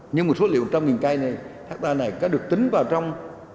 nhưng số liệu kê một trăm linh hectare này có được tính vào trong